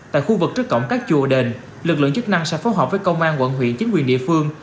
tại khu vực trước cổng các chùa đền lực lượng chức năng sẽ phối hợp với công an quận huyện chính quyền địa phương